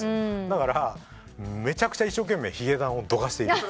だからめちゃくちゃ一生懸命ヒゲダンをどかしている。